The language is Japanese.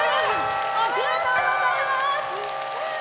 おめでとうございます。